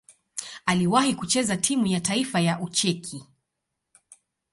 Aliwahi kucheza timu ya taifa ya Ucheki.